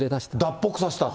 脱北させたと？